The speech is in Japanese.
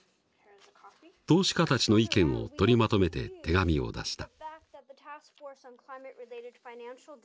投資家たちの意見を取りまとめて手紙を出した。